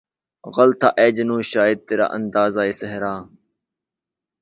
غلط تھا اے جنوں شاید ترا اندازۂ صحرا